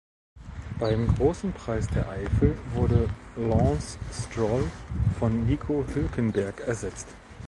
Beim Großen Preis der Eifel wurde Lance Stroll von Nico Hülkenberg ersetzt.